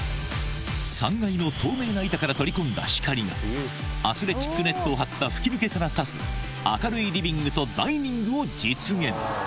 ３階の透明な板から取り込んだ光がアスレチックネットを張った吹き抜けから差す明るいリビングとダイニングを実現